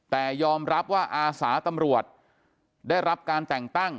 แต่ยอมรับว่าอาสาตำรวจได้รับการแต่งตั้ง